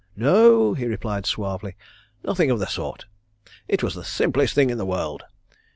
"No," he replied suavely. "Nothing of the sort. It was the simplest thing in the world.